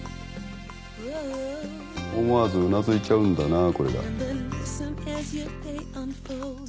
思わずうなずいちゃうんだなこれが。